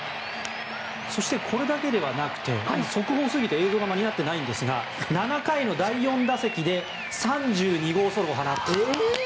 そして、これだけではなくて速報過ぎて映像が間に合っていないんですが７回の第４打席で３２号ソロを放ったと。